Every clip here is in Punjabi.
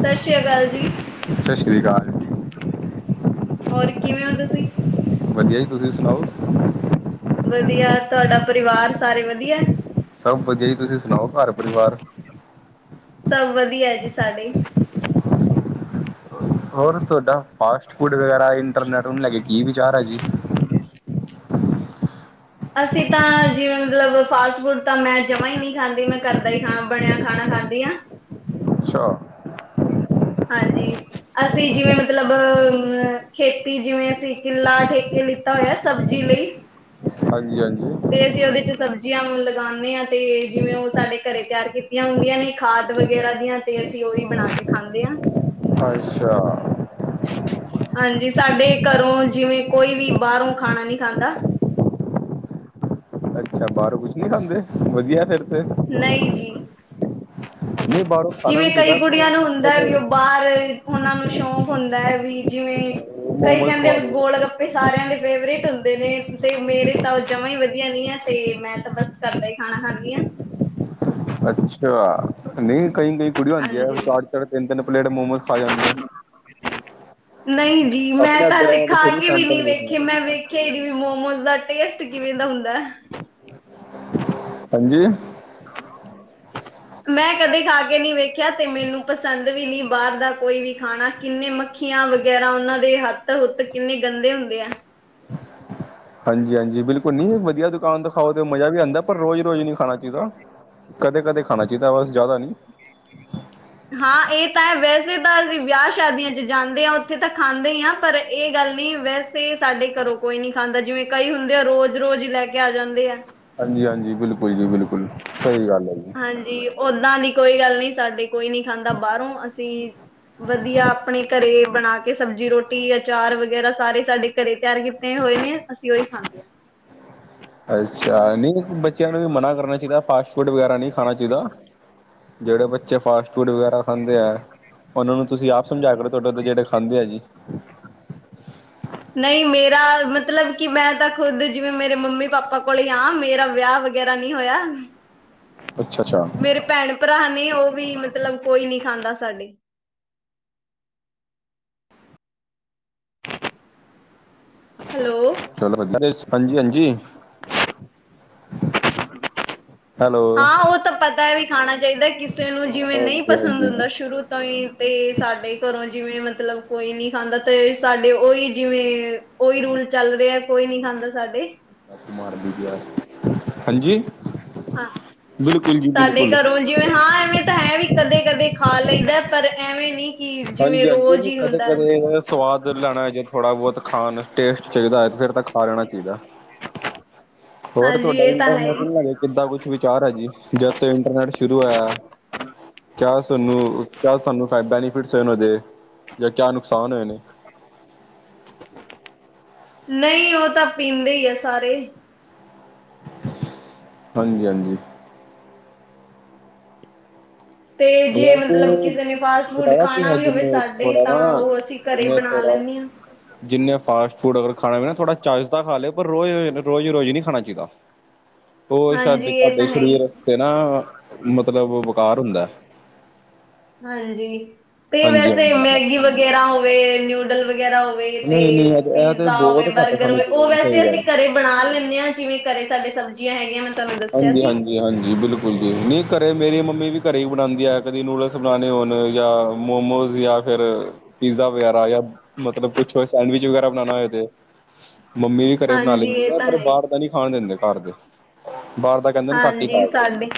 ਸਤਿ ਸ੍ਰੀ ਅਕਾਲ ਜੀ। ਸਤਿ ਸ਼੍ਰੀ ਅਕਾਲ ਜੀ ਹੋਰ ਕਿਵੇਂ ਹੋ ਤੁਸੀਂ। ਵਧੀਆ ਜੀ, ਤੁਸੀਂ ਸੁਣਾਓ। ਵਧੀਆ, ਤੁਹਾਡਾ ਪਰਿਵਾਰ ਸਾਰੇ ਵਧੀਆ। ਸਭ ਵਧੀਆ ਜੀ, ਤੁਸੀਂ ਸੁਣਾਓ, ਘਰ ਪਰਿਵਾਰ। ਸਭ ਵਧੀਆ ਹੈ ਜੀ, ਸਾਡੇ। ਹੋਰ ਤੁਹਾਡਾ ਫਾਸਟ ਫੂਡ ਵਗੈਰਾ ਇੰਟਰਨੈਟ ਨੂੰ ਲੈ ਕੇ, ਕੀ ਵਿਚਾਰ ਹੈ ਜੀ। ਹ [unintelligible] ਅਸੀਂ ਤਾਂ ਜਿਵੇਂ ਮਤਲਬ ਫਾਸਟ ਫੂਡ ਤਾਂ ਮੈਂ ਜਮਾਂ ਹੀ ਨਹੀਂ ਖਾਂਦੀ, ਮੈਂ ਘਰ ਦਾ ਹੀ ਖਾਣਾ ਬਣਿਆ ਖਾਣਾ ਖਾਂਦੀ ਹਾਂ। ਅੱਛਾ। ਹਾਂਜੀ। ਅਸੀਂ ਜਿਵੇਂ ਮਤਲਬ ਅ ਖੇਤੀ ਜਿਵੇਂ ਅਸੀਂ ਕਿੱਲਾ, ਠੇਕੇ ਲਿੱਤਾ ਹੋਇਆ ਸਬਜ਼ੀ ਲਈ। ਇਕ ਹਾਂਜੀ ਹਾਂਜੀ। ਅਸੀਂ ਉਹਦੇ ਚ ਸਬਜ਼ੀਆਂ ਲਗਾਉਂਦੇ ਹਾਂ, ਤੇ ਜਿਵੇਂ ਉਹ ਸਾਡੇ ਘਰੇ ਤਿਆਰ ਕੀਤੀਆਂ ਹੁੰਦੀਆਂ ਨੇ, ਖਾਦ ਵਗੈਰਾ ਦੀਆਂ। ਤੇ ਅਸੀਂ ਉਹੀ ਬਣਾ ਕੇ ਖਾਂਦੇ ਹਾਂ। ਅੱਛਾ। ਹਾਂਜੀ, ਸਾਡੇ ਘਰੋਂ ਜਿਵੇਂ ਕੋਈ ਵੀ, ਬਾਹਰੋਂ ਖਾਣਾ ਨੀ ਖਾਂਦਾ। ਅੱਛਾ ਬਾਹਰੋਂ ਕੁਛ ਨੀ ਖਾਂਦੇ, ਵਧੀਆ ਫਿਰ ਤੇ। ਨਹੀਂ ਜੀ। ਨਹੀਂ ਬਾਹਰੋਂ ਖਾਣਾ ਵੀ ਜਿਵੇਂ ਨਹੀਂ ਕਈ ਚਾਹੀਦਾ ਕੁੜੀਆਂ ਪਰ ਨੂੰ ਹੁੰਦਾ, ਵੀ ਉਹ ਕਦੇ ਬਾਹਰ। ਉਹਨਾਂ ਨੂੰ ਸ਼ੌਂਕ ਹੁੰਦਾ ਹੈ, ਵੀ ਜਿਵੇਂ ਕਈ ਮੋਮੋਸ ਕਹਿੰਦੇ ਖਵਾ ਵੇਂ ਦੋ ਗੋਲ ਗੱਪੇ। ਸਾਰਿਆਂ ਦੇ ਫੇਵਰੇਟ ਹੁੰਦੇ ਨੇ, ਤੇ ਮੇਰੇ। ਤਾਂ ਉਹ ਜਮਾ ਹੀ ਵਧੀਆ ਨੀ ਹੈ, ਤੇ ਮੈਂ ਤਾਂ ਬਸ ਘਰ ਦਾ ਹੀ ਖਾਣਾ ਖਾਂਦੀ ਹਾਂ। ਅੱਛਾ ਨਹੀ। ਕਈ ਕਈ ਕੁੜੀਆਂ ਹੁੰਦੀਆਂ, ਹਾਂਜੀ ਚਾਰ ਚਾਰ ਤਿੰਨ ਤਿੰਨ ਪਲੇਟ ਮੋਮੋਸ ਖਾ ਜਾਂਦੀਆਂ ਹੈ। ਨਹੀਂ ਜੀ, ਮੈਂ ਆਪਣੇ ਤਾਂ ਇੱਧਰ ਮੈਂ ਲਿਖਾ ਬਥੇਰੀ ਕੇ ਵੀ ਸੈਂਪਲ ਨਹੀਂ ਵੇਖੀਆਂ ਵੇਖੇ, ਮੈਂ ਵੇਖ ਖੇ ਵੀ ਨਹੀ, ਮੋਮੋਜ਼ ਦਾ ਟੇਸਟ ਕਿਵੇਂ ਦਾ ਹੁੰਦਾ ਹੈ। ਹਾਂਜੀ [inaudible] ਮੈਂ ਕਦੇ ਖਾ ਕੇ ਨਹੀਂ ਵੇਖਿਆ, ਤੇ ਮੈਨੂੰ ਪਸੰਦ ਵੀ ਨਹੀਂ ਬਾਹਰ ਦਾ ਕੋਈ ਵੀ ਖਾਣਾ, ਕਿੰਨੇ ਮੱਖੀ ਮਖੀਆਂ ਵਗੈਰਾ, ਉਹਨਾਂ ਦੇ ਹੱਥ ਹੁੱਤ ਕਿੰਨੇ ਗੰਦੇ ਹੁੰਦੇ ਆ। ਹਾਂਜੀ ਹਾਂਜੀ, ਬਿਲਕੁਲ ਨੀ ਵਧੀਆ ਦੁਕਾਨ ਤੋ ਖਾਓ ਤਾਂ ਮਜ਼ਾ ਵੀ ਆਉਂਦਾ, ਪਰ ਰੋਜ਼ ਰੋਜ਼ ਨਹੀਂ ਖਾਣਾ ਚਾਹੀਦਾ, ਕਦੇ ਕਦੇ ਖਾਣਾ ਚਾਹੀਦਾ, ਬਸ ਜ਼ਿਆਦਾ ਨਹੀਂ। ਹਾਂ ਇਹ ਤਾਂ ਹੈ, ਵੈਸੇ ਤਾਂ ਅਸੀਂ ਵਿਆਹ ਸ਼ਾਦੀਆਂ ਚ ਜਾਂਦੇ ਹਾਂ ਉੱਥੇ ਤਾਂ ਖਾਂਦੇ ਹੀ ਹਾਂ, ਪਰ ਇਹ ਗੱਲ ਨਹੀਂ ਵੈਸੇ ਤੇ ਸਾਡੇ ਘਰੋਂ ਕੋਈ ਨੀ ਖਾਂਦਾ, ਜਿਵੇਂ ਕਈ ਹੁੰਦੇ ਆ, ਰੋਜ਼ ਰੋਜ਼ ਹੀ ਲੈ ਕੇ ਆ ਜਾਂਦੇ ੲੈ। ਹਾਂਜੀ ਹਾਂਜੀ, ਬਿਲਕੁਲ ਜੀ ਬਿਲਕੁਲ, ਸਹੀ ਗੱਲ ਏ ਜੀ। ਹਾਂਜੀ ਓਦਾਂ ਦੀ ਕੋਈ ਗੱਲ ਨਹੀਂ, ਸਾਡੇ ਕੋਈ ਨੀ ਖਾਂਦਾ ਬਾਹਰੋਂ, ਅਸੀਂ ਵਧੀਆ ਆਪਣੇ ਘਰੇ ਬਣਾ ਕੇ, ਸਬਜ਼ੀ ਰੋਟੀ, ਅਚਾਰ ਵਗੈਰਾ ਸਾਰੇ ਸਾਡੇ ਘਰੇ ਤਿਆਰ ਕੀ ਤੇ ਹੋਏ ਨੇ ਅਸੀਂ ਉਹੀ ਖਾਂਦੇ ਹਾਂ। ਅੱਛਾ ਨਹੀਂ ਬੱਚਿਆਂ ਨੂੰ ਵੀ ਮਨਾ ਕਰਨਾ ਚਾਹੀਦਾ ਫਾਸਟ ਫੂਡ ਵਗੈਰਾ ਨਹੀਂ ਖਾਣਾ ਚਾਹੀਦਾ। ਜਿਹੜੇ ਬੱਚੇ ਫਾਸਟ ਫੂਡ ਵਗੈਰਾ ਖਾਂਦੇ ੲੈ, ੳਹਨਾ ਨੂੰ ਤੁਸੀਂ ਆਪ ਸਮਝਾਇਆ ਕਰੋ ਤੁਹਾਡੇ ਜਿਹੜੇ ਖਾਂਦੇ ਆ ਜੀ। ਅੱ [inaudible] [unintelligible] ਨਹੀਂ ਮੇਰਾ ਮਤਲਬ ਕਿ ਮੈਂ ਤਾਂ ਖੁੱਦ ਜਿਵੇਂ ਮੇਰੇ ਮੰਮੀ ਪਾਪਾ ਕੋਲ ਹੀ ਆ ਮੇਰਾ ਵਿਆਹ ਵ ਵਗੈਰਾ ਨਹੀਂ ਹੋਇਆ। ਅੱਛਾ ਅੱਛਾ ਮੇਰੇ ਭੈਣ ਭਰਾ ਨੇ ਉਹ ਵੀ ਮਤਲਬ ਕੋਈ ਨੀ ਖਾਂਦਾ ਸਾਡੇ। ਹੈਲੋ ਚਲੋ ਹਾਂਜੀ ਹਾਂਜੀ ਹੈਲੋ ਹਾਂ ਉਹ ਤਾਂ ਪਤਾ ਖਾਣਾ ਚਾਹੀਦਾ ਕਿਸੇ ਨੂੰ ਜਿਵੇਂ ਨਹੀਂ ਹਾਂਜੀ ਪਸੰਦ ਹਾਂਜੀ। ਹੁੰਦਾ ਸ਼ੁਰੂ ਤੋਂ ਤਾਂਈ ਤੇ ਸਾਡੇ ਘਰੋਂ ਜਿਵੇਂ ਮਤਲਬ ਕੋਈ ਨੀ ਖਾਂਦਾ ਤੇ ਸਾਡੇ ਉਹੀ ਜਿਵੇਂ ਊਈ ਰੂਲ ਚੱਲ ਰਿਆ ਕੋਈ ਨਹੀਂ ਖਾਂਦਾ ਸਾਡੇ ਹਾਂਜੀ ਹਾਂ ਬਿਲਕੁਲ ਜੀ ਸਾਡੇ ਬਿਲਕੁਲ ਘਰੋਂ ਜਿਵੇਂ ਹਾਂ ਐਵੇਂ ਤਾਂ ਹੈ ਵੀ ਕਦੇ ਕਦੇ ਖਾ ਲਈਦਾ ਪਰ ਐਵੇਂ ਨੀ ਹਾਂਜੀ ਹਾਂਜੀ ਨਹੀ ਕਦੇ ਕਦੇ ਸਵਾਦ ਲੈਣਾ ਹੈ ਜੇ ਥੋੜਾ ਬਹੁਤ ਖਾਣ ਟੇਸਟ ਚਾਹੀਦਾ ਏ ਤੇ ਫਿਰ ਤਾਂ ਖਾ ਲੈਣਾ ਚਾਹੀਦਾ ਏ, ਹੋਰ ਹਾਂਜੀ ਤੁਹਾਡਾ ਇਹ ਤਾਂ ਹੈ ਇੰਟਰਨੈਟ ਹੀ ਨਹੀਂ ਹੈਗਾ ਜੀ ਇਦਾਂ ਕੁਛ ਵਿਚਾਰ ਏ ਜੀ, ਜਦ ਤੋਂ ਇੰਟਰਨੈਟ ਸ਼ੁਰੂ ਹੋਇਆ। ਕਿਆ ਸੁਨੂੰ ਕਿਆ ਸਾਨੂੰ ਬੈਨੀਫਿਟਸ ਹੋਏ ਨੇ ਹੋਹਦੇ ਜਾਂ ਕਿਆ ਨੁਕਸਾਨ ਹੋਏ ਨੇ। ਨਹੀਂ ਉਹ ਤਾਂ ਪੀਂਦੇ ਹੀ ਆ ਸਾਰੇ। ਹਾਂਜੀ ਹਾਂਜੀ ਤੇ ਜੇ ਵੈਸੇ ਮਤਲਬ ਕਿਸੇ ਨੇ ਫਾਸਟ ਫੂਡ ਬਤਾਵਾ ਕੀ ਖਾਣਾ ਵੀ ਹੋਵੇ ਜਿੰਨੇ ਸਾਡੇ ਥੋੜਾ ਤਾਂ ਨਾ ਉਹ ਅਸੀਂ ਘਰੇ ਜਿੰਨੇ ਬਣਾ ਥੋੜਾ ਲੈਂਦੇ ਹਾਂ ਜਿਨੇ ਫਾਸਟ ਫੂਡ ਅਗਰ ਖਾਣਾ ਨਾ ਥੋੜ੍ਹਾ ਚਾਜ਼ਦਾ ਖਾ ਲੇ ਪਰ ਰੋਜ਼ ਰੋਜ਼ ਰੋਜ਼ ਰੋਜ਼ ਨਹੀਂ ਖਾਣਾ ਚਾਹੀਦਾ। [inaudible] [unintelligible] ਉਹ ਸਾਡੇ ਹਾਂਜੀ ਇਹ ਸਾਡੇ ਤਾਂ ਹੈ ਹੀ ਸਰੀਰ ਵਸਤੇ ਨਾ ਮਤਲਬ ਬੇਕਾਰ ਹੁੰਦਾ। ਹਾਂਜੀ ਤੇ ਹਾਂਜੀ ਵੈਸੇ ਹਾਂਜੀ ਮੈਗੀ ਵਗੈਰਾ ਹੋਵੇ ਨਿਊਡਲ ਵਗੈਰਾ ਹੋਵੇ ਤੇ ਨਹੀਂ ਨਹੀਂ ਇਹ ਤੇ ਪੀਜ਼ਾ ਬਹੁਤ ਹੋਵੇ, ਘੱਟ ਬਰਗਰ ਖਾਣੇ ਹੋਵੇ ਚਾਹੀਦੇ ਉਹ ਨੇ ਵੈਸੇ ਸਹੀ ਗੱਲ ਅਸੀਂ ਘਰੇ ਬਣਾ ਲੈਂਦੇ ਹਾਂ, ਜਿਵੇਂ ਘਰੇ ਸਾਡੇ ਸਬਜ਼ੀਆਂ ਹੈਗੀਆਂ ਮੈਂ ਤੁਹਾਨੂੰ ਦੱਸਿਆ ਹਾਂਜੀ ਸੀ। ਹਾਂਜੀ ਹਾਂਜੀ ਬਿਲਕੁਲ ਜੀ ਨਹੀਂ ਘਰੇ ਮੇਰੀ ਮੰਮੀ ਵੀ ਘਰੇ ਹੀ ਬਣਾਉਂਦੀ ੲੈ ਕਦੀ ਨੂਡਲਸ ਬਣਾਉਣੇ ਹੋਣ ਜਾਂ ਮੋਮੋਜ਼ ਯਾਂ ਫਿਰ ਪੀਜ਼ਾ ਵਗੈਰਾ ਯਾਂ ਮਤਲਬ ਕੁਛ ਹੋਏ ਸੈਂਡਵਿਚ ਵਗੈਰਾ ਬਣਾਨਾ ਹੋਏ ਤੇ। ਮੰਮੀ ਵੀ ਘਰੇ ਬਣਾ ਹਾਂਜੀ ਲੈਂਦੀ ਇਹ ਆ ਤਾਂ ਪਰ ਹੈ ਹੀ ਬਾਹਰ ਦਾ ਨੀ ਖਾਣ ਦਿੰਦੇ ਘਰ ਦੇ। ਬਾਹਰ ਦਾ ਕਹਿੰਦੇ ਨੇ ਘੱਟ ਈ ਹਾਂਜੀ ਖਾਇਆ ਕਰੋ। ਸਾਡੇ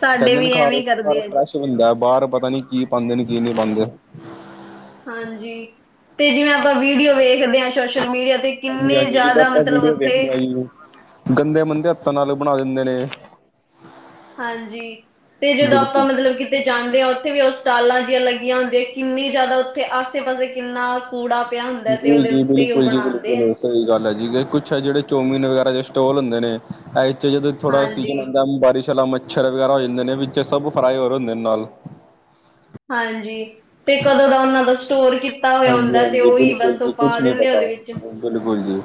ਸਾਡੇ ਕਹਿੰਦੇ ਨੇ ਵੀ ਘਰ, ਐਵੇਂ ਹੀ ਘਰ ਕਰਦੇ ਆ ਜੀ ਫਰੈਸ਼ ਹੁੰਦਾ ਬਾਹਰ ਪਤਾ ਨੀ ਕੀ ਪਾਂਦੇ ਨੇ ਕੀ ਨੀ ਪਾਂਦੇ। ਹਾਂਜੀ ਤੇ ਜਿਵੇਂ ਆਪਾਂ ਵੀਡੀਓ ਵੇਖਦੇ ਆ ਸੋਸ਼ਲ ਮੀਡੀਆ ਤੇ ਕਿੰਨੇ ਹਾਂਜੀ-ਹਾਂਜੀ ਜਿਦਾਂ ਜ਼ਿਆਦਾ ਆਪਾਂ ਮਤਲਬ ਵੀਡੀਓ ਉੱਥੇ ਦੇਖਦੇ ਆ ਜੀ ਗੰਦੇ-ਮੰਦੇ ਹੱਥਾਂ ਨਾਲ ਬਣਾ ਦਿੰਦ ਹਾਂਜੀ ਤੇ ਜਦੋਂ ਆਪਾਂ ਬਿਲਕੁਲ ਮਤਲਬ ਕਿ ਤੇ ਜਾਂਦੇ ਆ ਉੱਥੇ ਵੀ ਉਹ ਸਟਾਲਾਂ ਜਿਹੀਆਂ ਲੱਗੀਆਂ ਹੁੰਦੀਆਂ ਕਿੰਨੀ ਜ਼ਿਆਦਾ ਉੱਥੇ ਆਸੇ ਪਾਸੇ ਕਿੰਨਾ ਕੂੜਾ ਪਿਆ ਹੁੰਦਾ ਤੇ ਉਹਦੇ ਉੱਤੇ ਈ ਉਹ ਬਣਾਂਦੇ ਐ। ਸਈ ਗੱਲ ਐ ਜੀ ਕਿ ਕੁੱਛ ਐ ਜਿਹੜੇ ਚੋਮੀਨ ਵਗੈਰਾ ਦੇ ਸਟੋਲ ਹੁੰਦੇ ਨੇ। ਜਦੋਂ ਥੋੜਾ ਹਾਂਜੀ ਸੀਜ਼ਨ ਆਂਦਾ ਬਾਰਿਸ਼ ਆਲਾ ਮ ਮੱਛਰ ਵਗੈਰਾ ਹੋ ਜਾਂਦੇ ਨੇ ਵਿੱਚ ਸਭ ਫਰਾਏ ਹੋਰ ਹੁੰਦੇ ਨੇ ਨਾਲ। ਹਾਂਜੀ ਤੇ ਕਦੋਂ ਦਾ ਉਹਨਾਂ ਦਾ ਸਟੋਰ ਤਾ ਹੋਇਆ ਹਾਂਜੀ ਹੁੰਦਾ ਤੇ ਹਾਂਜੀ ਉਈ ਬਿਲਕੁਲ ਬਸ ਉਹ ਜੀ ਪਾ ਕੁਛ ਨਹੀਂ ਦਿੰਦੇ ਆ ਪਤਾ ਉਹਦੇ ਵਿੱਚ। ਬਿਲਕੁਲ ਜੀ,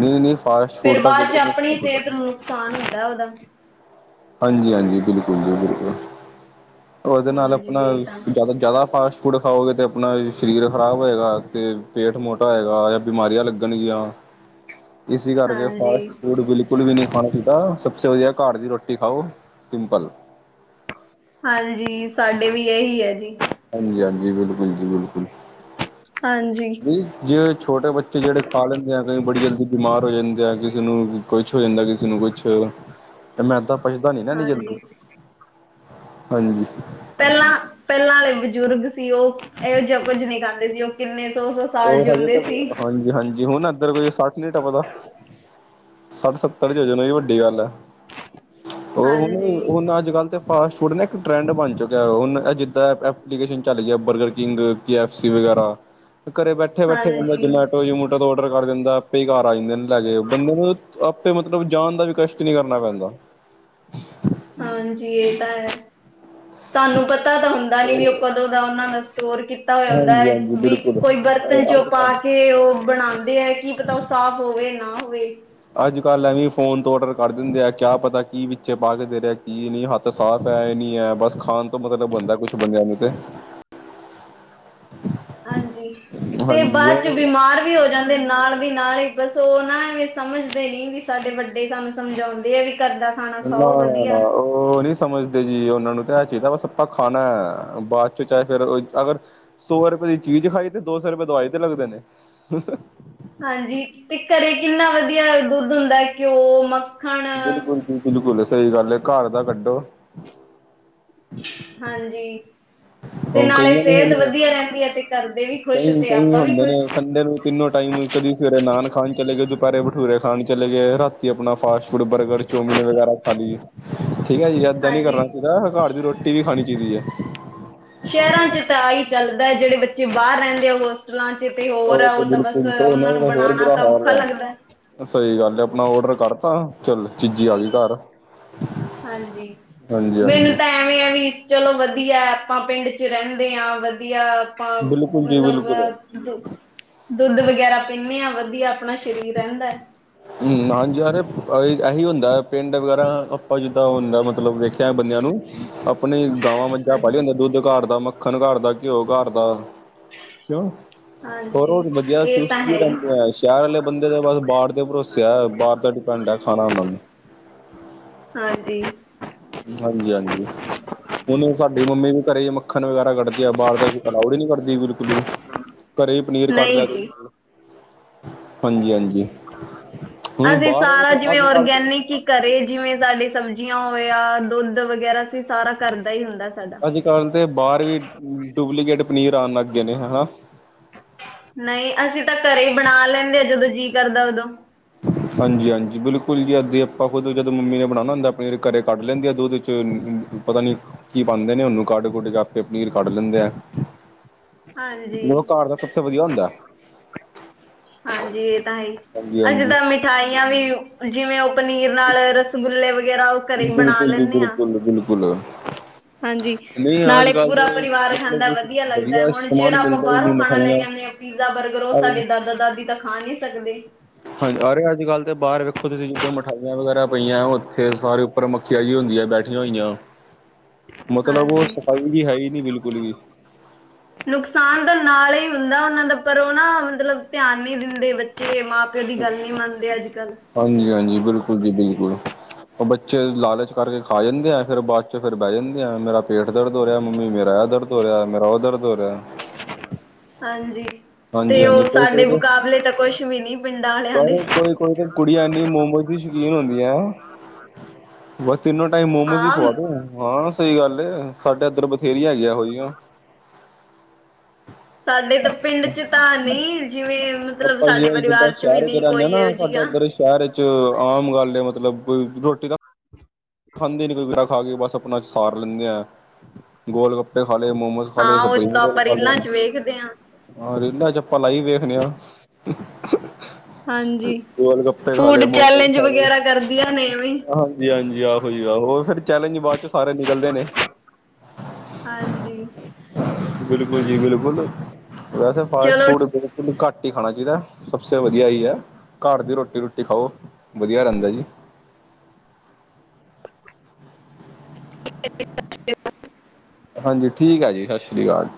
ਨਈ-ਨਈ ਫਾਸਟ ਫੂਡ ਫਿਰ ਤਾਂ ਬ ਬਾਅਦ ਚ ਖਾ ਆਪਣੀ ਸਿਹਤ ਨੂੰ ਨੁਕਸਾਨ ਹੁੰਦਾ ਉਹਦਾ। ਹਾਂਜੀ-ਹਾਂਜੀ ਬਿਲਕੁਲ ਜੀ ਬਿਲਕੁਲ, ਉਹਦੇ ਨਾਲ ਹਾਂਜੀ ਆਪਣਾ ਇਹ ਤਾਂ ਜਿਆਦਾ-ਜ਼ਿਆਦਾ ਫਾਸਟ ਫੂਡ ਖਾਓਗੇ ਤੇ ਆਪਣਾ ਸਰੀਰ ਖਰਾਬ ਹੋਏਗਾ ਤੇ ਪੇਟ ਮੋਟਾ ਹੋਏਗਾ ਜਾਂ ਬਿਮਾਰੀਆਂ ਲੱਗਣਗੀਆਂ। [inaudible] ਇਸੀ ਕਰਕੇ ਹਾਂਜੀ ਫਾਸਟ ਫੂਡ ਬਿਲਕੁਲ ਵੀ ਨਹੀਂ ਖਾਣਾ ਚਾਹੀਦਾ ਸਭ ਸੇ ਵਧੀਆ ਘਰ ਦੀ ਰੋਟੀ। ਰੋਟੀ ਖਾਓ ਸਿੰਮਪਲ। ਹਾਂਜੀ ਸਾਡੇ ਵੀ ਇਹੀ ਹੈ ਜੀ। ਹਾਂਜੀ-ਹਾਂਜੀ ਬਿਲਕੁਲ ਜੀ ਬਿਲਕੁਲ। ਹਾਂਜੀ। ਵੀ ਜੇ ਛੋਟੇ ਬੱਚੇ ਜਿਹੜੇ ਖਾ ਲੈਂਦੇ ਆ ਕਈ ਬੜੀ ਜਲਦੀ ਬਿਮਾਰ ਹੋ ਜਾਂਦੇ ਆ ਕਿਸੇ ਨੂੰ ਕੁਛ ਹੋ ਜਾਂਦਾ ਕਿਸੇ ਨੂੰ ਕੁਛ। [inaudible] ਤੇ ਮੈਂਦਾ ਪੱਚਦਾ ਨੀ ਨਾ ਐਨੀ ਹਾਂਜੀ ਜਲਦੀ, ਹਾਂਜੀ। ਪਹਿਲਾਂ, ਪਹਿਲਾਂ ਆਲੇ ਬਜ਼ੁਰਗ ਸੀ ਉਹ ਇਹੋ ਜਿਹਾ ਕੁੱਝ ਨਈ ਖਾਂਦੇ ਸੀ ਉਹ ਕਿੰਨੇ ਸੌ ਸੌ। ਸਾਲ ਉਹ ਹਜੇ ਜਿਉਂਦੇ ਤੱਕ ਸੀ ਹਾਂਜੀ-ਹਾਂਜੀ ਹੁਣ ਏਧਰ ਕੋਈ ਸੱਠ ਨੀ ਟੱਪਦਾ, ਸੱਠ ਸੱ ਪ੍ਰਯੋਜਨ ਈ ਵੱਡੀ ਗੱਲ ਐ, ਉਹ ਹਾਂਜੀ ਹੁਣ-ਹੁਣ ਅੱਜ-ਕੱਲ੍ਹ ਤੇ ਫਾਸਟ ਫੂਡ ਨਾ ਇੱਕ ਟਰੈਂਡ ਬਣ ਚੁੱਕਿਆ ਹੁਣ ਇਹ ਜਿੱਦਾਂ ਐਪਲੀਕੇਸ਼ਨ ਚੱਲ ਗਿਆ ਬਰਗਰ ਕਿੰਗ, ਕੇ ਐੱਫ ਸੀ ਵਗੈਰਾ। ਘਰੇ ਬੈਠੇ-ਬੈਠੇ ਬੰਦਾ ਹਾਂਜੀ ਜਮੈਟੋ ਜਮੂ ਕਦੋ ਔਡਰ ਕਰ ਦਿੰਦਾ ਆਪੇ ਈ ਘਰ ਆ ਜਾਂਦੇ ਨੇ ਲੈ ਕੇ ਬੰਦੇ ਨੂੰ ਆਪੇ ਮਤਲਬ ਜਾਣ ਦਾ ਵੀ ਕਸ਼ ਕੁਛ ਨੀ ਕਰਨਾ ਪੈਂਦਾ। ਹਾਂਜੀ ਇਹ ਤਾਂ ਹੈ। ਸਾਨੂੰ ਪਤਾ ਤਾਂ ਹੁੰਦਾ ਨੀ ਵੀ ਉਹ ਕਦੋਂ ਦਾ ਉਹਨਾਂ ਦਾ ਸਟੋਰ ਕੀਤਾ ਹੋਇਆ ਹੁੰਦਾ ਹਾਂਜੀ ਹਾਂਜੀ ਅ ਵੀ। ਬਿਲਕੁਲ ਕੋਈ ਬਰਤਨ ਚੋਂ ਅੱਜ ਪਾ ਕੱਲ ਕੇ ਉਹ ਬਣਾਂਦੇ ਐ ਕੀ ਪਤਾ ਉਹ ਸਾਫ਼ ਹੋਵੇ ਨਾ ਹੋਵੇ। ਅੱਜ-ਕੱਲ੍ਹ ਐਵੀ ਫੋਨ ਤੋਂ ਔਡਰ ਕਰ ਦਿੰਦੇ ਆ ਕਿਆ ਪਤਾ ਕੀ ਵਿਚ ਪਾਕੇ ਦੇ ਰਿਆ ਕੀ ਨੀ ਹੱਥ। ਤਾਂ ਸਾਫ਼ ਐ ਇਹ ਨੀ ਐ ਬਸ ਖਾਣ ਮਤਲਬ ਹੁੰਦੇ ਕੁਛ ਬੰਦਿਆ ਨੂੰ ਤੇ। ਹਾਂਜੀ ਤੇ ਬਾਅਦ 'ਚ ਹਾਂਜੀ ਬਿਮਾਰ ਵੀ ਹੋ ਜਾਂਦੇ ਨਾਲ। ਨਾਲ ਈ ਬਸ ਉਹ ਨਾ ਐਵੇਂ ਸਮਝਦੇ ਨੀ ਵੀ ਸਾਡੇ ਵੱਡੇ ਸਾਨੂੰ ਸਮਝਾਉਂਦੇ ਆ ਵੀ ਘਰਦਾ। ਖਾਣਾ ਖਾਓ ਨਾ-ਨਾ-ਨਾ ਵਧੀਆ। ਉਹ ਨੀ ਸਮਝਦੇ ਜੀ ਉਹਨਾਂ ਨੂੰ ਤਾਂ ਇਹ ਚਾਈਦਾ ਬਸ ਆਪਾਂ ਖਾਨਾ ਬਾਅਦ 'ਚ ਚਾਹੇ ਫਿਰ ਅਗਰ। ਸੌ ਰੁਪਏ ਦੀ ਚੀਜ਼ ਖਾਈ ਤੇ ਦੋ ਸੌ ਰੁਪਏ ਦਵਾਈ ਤੇ ਲੱਗਦੇ ਨੇ। ਹਾਂਜੀ ਤੇ ਘਰੇ ਕਿੰਨਾ ਵਧੀਆ ਦੁੱਧ ਹੁੰਦਾ ਘਿਓ ਮ ਬਿਲਕੁਲ ਜੀ, ਬਿਲਕੁਲ, ਸਈ ਗੱਲ ਏ, ਘਰ ਦਾ ਕੱਢੋ। ਹਾਂਜੀ। ਤੇ ਨਾਲੇ ਕਈਆਂ ਨੂੰ ਸਿਹਤ ਹੁਣ ਵਧੀਆ ਰਹਿੰਦੀ ਏ ਤੇ ਘਰਦੇ ਵੀ ਖੁਸ਼ ਕਈ ਤੇ ਕਈ ਆਪਾਂ ਵੀ ਹੁੰਦੇ ਖੁਸ਼। ਨੇ ਸੰਡੇ ਨੂੰ ਤਿੰਨੋ ਟਾਈਮ ਕਦੀ ਸਵੇਰੇ ਨਾਨ ਖਾਣ ਚਲੇ ਗਏ, ਦੁਪਹਿਰੇ ਭਟੂਰੇ ਖਾਣ ਚਲੇ ਗਏ, ਰਾਤੀ ਆਪਣਾ ਫਾਸਟ ਫੂਡ ਬਰਗਰ ਚੋਮਿਨ ਵਗੈਰਾ ਖਾ ਲੀਏ ਠੀਕ ਐ ਜੀ ਏਦਾਂ ਨੀ ਹਾਂਜੀ ਕਰਨਾ ਚਾਈਦਾ ਘਰ ਦੀ ਰੋਟੀ ਵੀ ਖਾਣੀ ਚਾਈਦੀ ਐ। ਸ਼ਹਿਰਾਂ 'ਚ ਤਾਂ ਆ ਈ ਚੱਲਦਾ ਜਿਹੜੇ ਬੱਚੇ ਬਾਹਰ ਰਹਿੰਦੇ ਆ ਉਹ। ਹੋਟਲਾਂ 'ਚ ਤੇ ਹੋਰ ਤੇ ਉਹ ਤਾਂ ਬਸ ਬਿਲਕੁਲ ਉਹਨਾਂ ਨੂੰ ਬਣਾਉਣ ਤਾਂ ਔਖਾ ਲੱਗਦਾ। ਸਈ ਗੱਲ ਆਪਣਾ ਓਡਰ ਕਰਤਾ ਚੱਲ ਚੀਜੀ ਆਗੀ ਘਰ। ਹਾਂਜੀ, ਹਾਂਜੀ ਮੈਨੂੰ ਹਾਂਜੀ ਤਾਂ, ਐਵੇਂ ਆ ਵੀ। ਚਲੋ, ਵਧੀਆ ਆਪਾਂ ਪਿੰਡ ਚ ਰਹਿੰਦੇ ਹਾਂ, ਵਧੀਆ ਆਪਾਂ, ਬਿਲਕੁਲ ਜੀ ਬਿਲਕੁਲ ਮਤਲਬ। ਦੁੱਧ ਵਗੈਰਾ, ਪੀਂਦੇ ਹਾਂ, ਵਧੀਆ ਆਪਣਾ ਸਰੀਰ ਰਹਿੰਦਾ ਹੈ। ਹਮ, ਹਾਂਜੀ, ਯਾਰ ਇਹੀ ਹੁੰਦਾ ਪਿੰਡ ਵਗੈਰਾ ਆਪਾਂ ਜਿੱਦਾਂ ਹੁੰਦਾ ਮਤਲਬ ਵੇਖਿਆ। ਕ ਬੰਦਿਆਂ ਨੂੰ, ਆਪ ਆਪਣੀਆ, ਗਾਵਾਂ ਮੱਝਾਂ ਪਾਲੀਆ ਹੁੰਦੀ ਹਾਂਜੀ ਆ, ਦੁੱਧ ਘਰ ਦਾ, ਮੱਖਣ ਘਰ ਦਾ, ਘਿਓ ਘਰ ਦਾ। ਕਿਉਂ, ਹਾਂਜੀ ਹੋਰ ਵਧੀਆ, ਇਹ ਤਾਂ ਚੁਸਤੀ ਹੈ ਹੀ ਰਹਿੰਦੇ ਆ, ਸ਼ਹਿਰ ਵਾਲੇ ਬੰਦੇ ਦੇ, ਬਸ ਬਰ ਦੇ ਭਰੋਸੇ। ਕਿਆ ਬਾਹਰ ਦਾ, ਡਿਪੈਂਡ ਹੈ, ਖਾਣਾ ਉਹਨਾਂ ਨੂੰ। ਹਾਂਜੀ, ਹਾਂਜੀ, ਹਾਂਜੀ। ਉਹਨੂੰ, ਸਾਡੀ ਮੰਮੀ ਵੀ ਘਰੇ ਮੱਖਣ ਵਗੈਰਾ ਕੱਢਦੀ ਆ। ਬਾਹਰ ਦਾ ਅਲਾਊਡ ਹੀ ਨੀ ਕਰਦੀ, ਬਿਲਕੁਲ ਵੀ। ਹਮ। ਘਰੇ ਪਨੀਰ ਕੱਢ ਲਿਆ ਨਾਲ, ਹਾਂਜੀ-ਹਾਂਜੀ। ਅਸੀਂ ਸਾਰਾ ਜਿਵੇਂ ਔਰਗੈਨਿਕ ਈ ਘਰੇ ਜਿਵੇਂ ਸਾਡੇ ਸਬਜ਼ੀਆਂ ਹੋਵੇ ਆ, ਦੁੱਧ ਵਗੈਰਾ ਸੀ ਸਾਰਾ ਕਰਦਾ ਹੀ ਹੁੰਦਾ। ਸਾਡਾ ਅੱਜ-ਕੱਲ੍ਹ ਦੇ ਬਾਹਰ ਵੀ ਡੁਪਲੀਕੇਟ ਪਨੀਰ ਆਣ ਲੱਗ ਗਏ ਨੇ ਹੈਨਾ। ਨਹੀਂ, ਅਸੀਂ ਤਾਂ ਘਰੇ ਹੀ ਬਣਾ ਲੈਂਦੇ ਆ, ਜਦੋਂ ਜੀਅ ਕਰਦਾ ਉਦੋਂ ਹਾਂਜੀ-ਹਾਂਜੀ ਬਿਲਕੁਲ ਜੀ ਅਸੀ ਆਪਾਂ ਖੁਦ ਜਦੋਂ ਮੰਮੀ ਨੇ ਬਣਾਣਾ ਹੁੰਦਾ ਫੇਰ ਘਰੇ ਕੱਢ ਲੈਂਦੇ ਆ ਦੁੱਧ ਚ ਅ ਪਤਾ ਨੀ ਕੀ ਪਾਂਦੇ ਨੇ, ਉਹਨੂੰ ਕੱਢ ਕੁੱਢ ਕੇ ਆਪੇ ਪਨੀਰ ਕੱਢ ਲੈਂਦੇ ਆ। ਹਾਂਜੀ-ਹਾਂਜੀ, ਉਹ ਘਰ ਦਾ ਸਭ ਤੋਂ ਵਧੀਆ ਹੁੰਦਾ ਤਾਂ ਹੀ। ਹਾਂਜੀ ਅਸੀਂ ਹਾਂਜੀ ਤਾਂ ਮਿਠਾਈਆਂ ਵੀ, ਜਿਵੇਂ ਉਹ ਪਨੀਰ ਨਾਲ ਰਸਗੁੇ ਵਗੈਰਾ ਘਰੇ ਹੀ ਬਣਾ ਬਿਲਕੁਲ ਜੀ, ਲੈਂਦੇ ਹਾਂ ਬਿਲਕੁਲ ਜੀ, ਬਿਲਕੁਲ। ਹਾਂਜੀ, ਨਹੀਂ ਅੱਜ ਨਾਲੇ ਕੱਲ੍ਹ ਪੂਰਾ ਦੇ ਪਰਿਵਾਰ ਮਤਲਬ ਖਾਂਦਾ ਕੁਛ ਵਧੀਆ ਲੱਗਦਾ ਹੁਣ ਸਮਾਨ ਜਿਹੜਾ ਆਪਾਂ ਮਿਲਦਾ ਹੀ ਬਾਹਰੋਂ ਨਹੀਂ ਖਾਣਾ ਲੈ ਮਿਠਾਈਆਂ ਆਣੇ ਆ। ਪੀਜ਼ਾ, ਬਰਗਰ, ਉਹ ਸਾਡੇ ਦਾਦ-ਦਾਦੀ ਤਾਂ ਖਾ ਨਹੀਂ ਸਕਦੇ। ਹਾਂਜੀ, ਅਰੇ ਅੱਜ ਕੱਲ੍ਹ ਤੇ ਬਾਹਰ ਵੇਖੋ, ਤੁਸੀਂ ਜਿੱਦਾਂ ਮਿਠਾਈਆਂ ਵਗੈਰਾ ਪਈਆਂ ਉੱਥੇ ਸਾਰੇ ਪਰ ਮੱਖਿਆ ਜਿਹਾ ਹੁੰਦੀ ਏ ਬੈਠੀਆਂ ਹੋਈਆਂ। [inaudible] ਮਤਲਬ ਉਹ ਹਾਂਜੀ ਸਫਾਈ ਜਿਹ ਹੈ ਹੀ ਨੀ ਬਿਲਕੁਲ ਵੀ [inaudible] ਨੁਕਸਾਨ ਤਾਂ ਨਾਲ ਹੀ ਹੁੰਦਾ। ਉਹਨਾਂ ਦਾ ਪਰ ਉਹ ਨਾ ਮਤਲਬ ਧਿਆਨ ਨੀ ਦਿੰਦੇ, ਬੱਚੇ ਮਾਂ-ਪਿਓ ਦੀ ਗੱਲ ਨੀ ਮੰਨਦੇ ਅੱਜ-ਕੱਲ੍ਹ ਹਾਂਜੀ-ਹਾਂਜੀ ਬਿਲਕੁਲ ਜੀ ਬਿਲਕੁਲ। ਉਹ ਬੱਚੇ ਲਾਲਚ ਕਰਕੇ ਖਾ ਜਾਂਦੇ ਆ‌ ਫੇਰ ਬਾਅਦ ਚੋਂ ਫੇਰ ਬਹਿ ਜਾਂਦੇ ਆ ਮੇਰਾ ਪੇਠ ਦਰਦ ਹੋ ਰਿਹਾ। ਮੰਮੀ ਮੇਰਾ ਇਹ ਦਰਦ ਹੋ ਰਿਹਾ। ਮੇਰਾ ਉਹ ਦਰਦ ਹੋ ਰਿਹਾ। ਹਾਂਜੀ, ਤੇ ਹਾਂਜੀ ਹਾਂਜੀ ਉਹ ਕੋਈ ਸਾਡੇ ਕੋਈ ਤੇ ਮੁਕਾਬਲੇ ਤਾਂ ਕੁਛ ਵੀ ਨੀ। ਪਰ ਕੋਈ ਕੋਈ ਤੇ ਕੁੜੀਆਂ ਇਨੀ ਮੋਮੋ ਦੀਆਂ ਸ਼ੌਕੀਨ ਹੁੰਦੀਆਂ। ਬਸ, ਤਿੰਨੋ ਟਾਈਮ ਮੋਮੋਸ ਹੀ ਹਾਂ ਖਵਾਦੋ, ਹਾਂ ਸਹੀ ਗੱਲ ਐ। ਸਾਡੇ ਇੱਧਰ ਬਥੇਰੀਆਂ ਹੈਗੀਆਂ ਇਹੋ ਜਿਹੀਆਂ। ਸਾਡੇ ਤਾਂ ਪਿੰਡ ਚ ਤਾਂ ਨਹੀਂ ਜਿਵੇਂ ਮਤਲਬ ਆਪਾਂ ਸਾਡੇ ਜੀ ਜਿੱਦਾਂ ਪਰਿਵਾਰ ਸ਼ਹਿਰ ਵੀ ਚ ਨਹੀਂ ਰਦੇ ਹਾਂ ਕੋਈ ਇਹੋ ਨਾ, ਸਾਡਾ ਜਿਹੀਆਂ ਉੱਧਰ ਸ਼ਹਿਰ ਵਿਚ ਆਮ ਗੱਲ ਮਤਲਬ ਰੋਟੀ ਦਾ ਖਾਂਦੀ ਨ ਕੋਈ ਗਿਰਾ ਖਾ ਕੇ, ਬਸ ਆਪਣਾ ਸਾਰ ਲੈਂਦੇ। ਗੋਲ ਗੱਪੇ ਖਾ ਲਏ, ਮੋਮੋਸ ਹਲੇ ਹਾਂ ਉਹ [unintelligible] ਤਾਂ ਆਪਾਂ ਰੀਲਾਂ ਚ ਵੇਖਦੇ ਹਾਂ ਹਾਂ, ਇਦਾਂ ਆਪਾਂ ਲਾਈਫ ਦੇਖਦੇ ਆਂ। ਹਾਂਜੀ ਗੋਲ ਗੱਪੇ ਖਾ ਲਏ, ਫੂਡ ਮੋਮੋਜ਼ ਚੈਲੇਂਜ ਖਾ ਲਏ, ਵਗੈਰਾ ਕਰਦੀਆਂ ਨੇ ਐਵੇਂ ਹਾਂਜੀ-ਹਾਂਜੀ ਆਪ। ਉਹ ਫਿਰ ਚੈਲੇਂਜ ਬਾਅਦ ਚ ਸਾਰੇ ਨਿਕਲਦੇ ਨੇ ਹਾਂਜੀ ਬਿਲਕੁਲ ਜੀ ਬਿਲਕੁਲ, ਵੈਸੇ ਫਾਸਟ ਚਲੋ ਫੂਡ ਬ ਘੱਟ ਹੀ ਖਾਣਾ ਚਾਹੀਦਾ, ਸਭਸੇ ਵਧੀਆ ਇਹ ਹੀ ਹੈ ਘਰ ਦੀ ਰੋਟੀ ਰੋਟੀ ਖਾਓ। ਵਧੀਆ ਰਹਿੰਦਾ ਜੀ। [unintelligible] ਹਾਂਜੀ ਠੀਕ ਐ ਜੀ ਸਤਿ ਸ੍ਰੀ ਅਕਾਲ।